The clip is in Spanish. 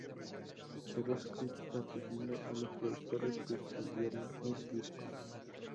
Cerró su crítica pidiendo a los productores que "cambiaran el disco".